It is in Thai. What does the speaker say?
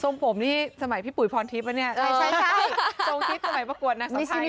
ทรงผมนี่สมัยพี่ปุ๋ยพรทิพย์มั้ยเนี้ยใช่ใช่ใช่ทรงทิพย์สมัยประกวดนักศึกษาไทย